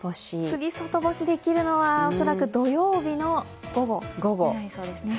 次、外干しできるのは恐らく土曜日の午後になりそうですね。